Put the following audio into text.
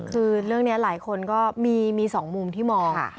คือเรื่องนี้หลายคนก็มี๒มุมที่มอง